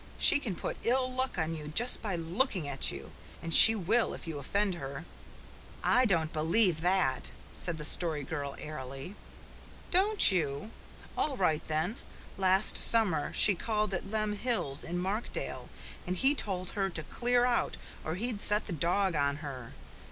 "She can put ill luck on you just by looking at you and she will if you offend her." "I don't believe that," said the Story Girl airily. "Don't you? All right, then! Last summer she called at Lem Hill's in Markdale, and he told her to clear out or he'd set the dog on her.